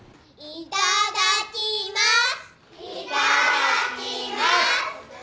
いただきます。